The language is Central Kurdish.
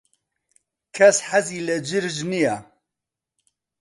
کەس حەزی لە جرج نییە.